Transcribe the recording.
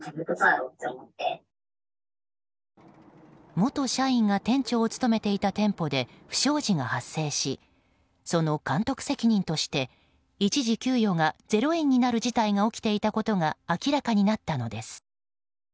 元社員が店長を務めていた店舗で不祥事が発生しその監督責任として一時給与が０円になる事態が起きていたことが明らかになったのです。